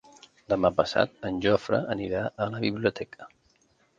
Demà passat en Jofre anirà a la biblioteca.